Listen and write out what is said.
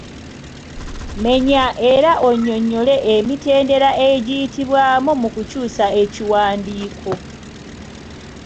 Menya era onnyonnyole emitendera egiyitibwamu mu kukyusa ekiwandiiko.